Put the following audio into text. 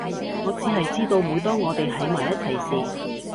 我只係知道每當我哋喺埋一齊時